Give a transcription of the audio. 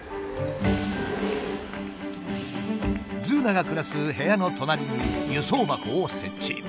ズーナが暮らす部屋の隣に輸送箱を設置。